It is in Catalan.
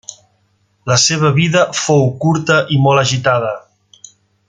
La seva vida fou curta i molt agitada.